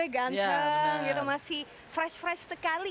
ganteng gitu masih fresh fresh sekali